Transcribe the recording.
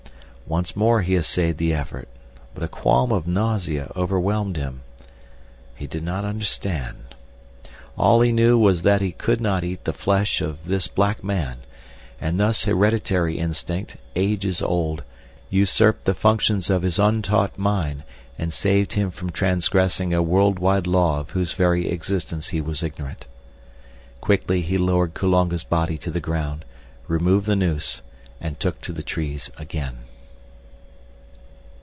Once more he essayed the effort, but a qualm of nausea overwhelmed him. He did not understand. All he knew was that he could not eat the flesh of this black man, and thus hereditary instinct, ages old, usurped the functions of his untaught mind and saved him from transgressing a worldwide law of whose very existence he was ignorant. Quickly he lowered Kulonga's body to the ground, removed the noose, and took to the trees again.